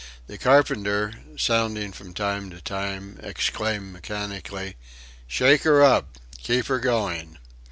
The carpenter, sounding from time to time, exclaimed mechanically: "Shake her up! Keep her going!"